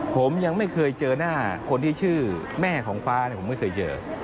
ผมยังไม่เคยเจอหน้าคนที่ชื่อแม่ของฟ้าผมไม่เคยเจอ